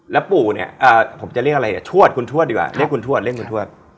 แล้วปู่เนี่ยผมจะเรียกอะไรอ่ะทวดคุณทวดดีกว่าเรียกคุณทวดเรียกคุณทวด